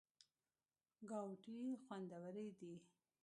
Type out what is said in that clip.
ګاوتې خوندورې دي.